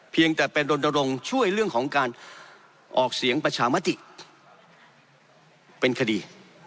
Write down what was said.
เพียงแต่เป็นรณรงค์ช่วยเรื่องของการออกเสียงประชามติเป็นคดี